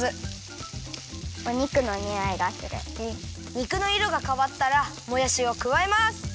肉のいろがかわったらもやしをくわえます。